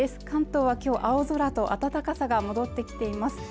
関東は今日青空と暖かさが戻ってきています